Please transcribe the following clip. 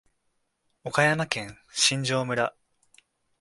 岡山県新庄村